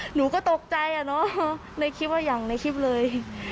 หนูก็ตกใจอะเนาะในคลิปว่าอย่างในคลิปเลย